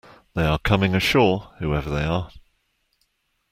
They are coming ashore, whoever they are.